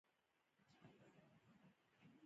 ډاکټر راته وویل چې د ده په جیبي کتابچه کې خپل نوم ولیکم.